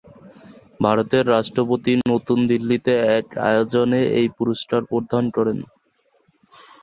ভারতের রাষ্ট্রপতি নতুন দিল্লিতে এক আয়োজনে এই পুরস্কার প্রদান করেন।